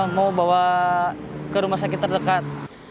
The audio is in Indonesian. mau bawa ke rumah sakit terdekat